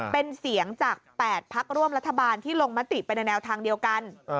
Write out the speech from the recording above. เป็นเสียงจาก๘พักร่วมรัฐบาลที่ลงมติไปในแนวทางเดียวกัน